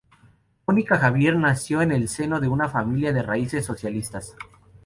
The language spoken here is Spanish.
Mónica Xavier nació en el seno de una familia de raíces socialistas.